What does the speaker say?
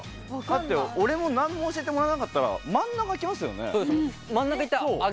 だって、俺も何も教えてもらわなかったら真ん中いきますよね。